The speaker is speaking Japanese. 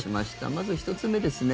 まず１つ目ですね。